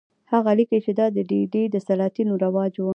هغه لیکي چې دا د ډیلي د سلاطینو رواج و.